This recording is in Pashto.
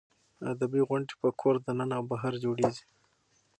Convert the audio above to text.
ادبي غونډې په کور دننه او بهر جوړېږي.